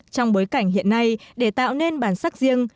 trong bối cảnh hiện nay để tạo nên bản sắc riêng